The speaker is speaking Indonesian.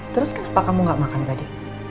terus kenapa kamu gak makan tadi